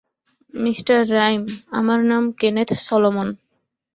Mr Rhyme, আমার নাম Kenneth Solomon.